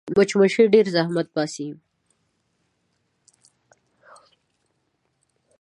مچمچۍ ډېر زحمت باسي